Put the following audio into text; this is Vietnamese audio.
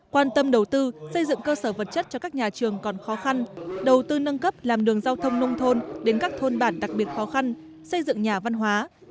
quan tâm đầu tư xây dựng cơ sở vật chất cho các nhà trường còn khó khăn đầu tư nâng cấp làm đường giao thông nông thôn đến các thôn bản đặc biệt khó khăn xây dựng nhà văn hóa